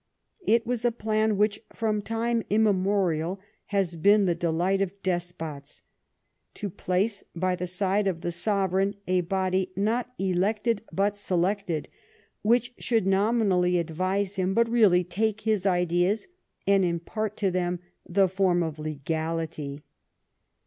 It was a plan which, from time immemorial, has been the delight of despots ; to place by the side of the sovereign a body, not elected but selected, which should nominally advise him but really take his ideas, and impart to them the form o£, legality.